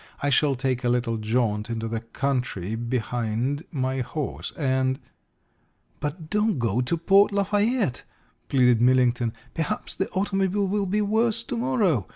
I shall take a little jaunt into the country behind my horse, and " "But don't go to Port Lafayette," pleaded Millington. "Perhaps the automobile will be worse to morrow.